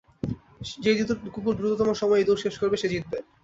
যেই কুকুর দ্রুততম সময়ে এই দৌড় শেষ করবে, সে জিতবে।